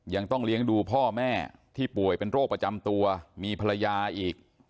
ยังต้องเลี้ยงดูพ่อแม่ที่ป่วยเป็นโรคประจำตัวมีภรรยาอีก